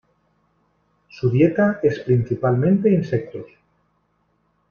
Su dieta es principalmente insectos.